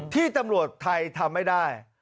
ที่ตำรวจไทยทำไม่ได้